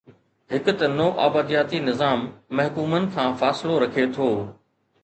هڪ ته نوآبادياتي نظام محکومن کان فاصلو رکي ٿو.